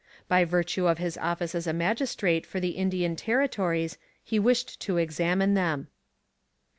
By virtue of his office as a magistrate for the Indian Territories he wished to examine them.